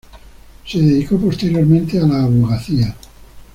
Se dedicó posteriormente a la abogacía.